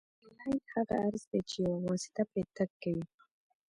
لاین هغه عرض دی چې یوه واسطه پرې تګ کوي